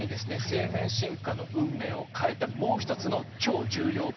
生命進化の運命を変えたもう一つの超重要物質があります。